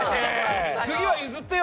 次は譲ってよ！